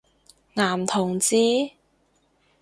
男同志？